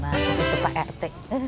masa itu pak rt